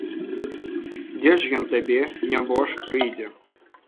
Дзе ж ён табе, нябож, прыйдзе!